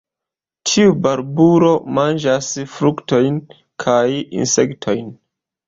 Tiu barbulo manĝas fruktojn kaj insektojn.